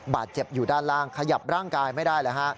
บาดเจ็บอยู่ด้านล่างขยับร่างกายไม่ได้แล้วฮะ